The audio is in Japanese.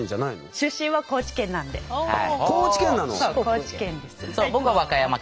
高知県です。